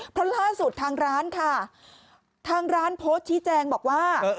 เพราะล่าสุดทางร้านค่ะทางร้านโพสต์ชี้แจงบอกว่า